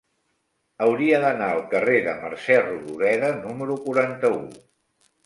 Hauria d'anar al carrer de Mercè Rodoreda número quaranta-u.